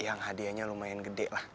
yang hadiahnya lumayan gede lah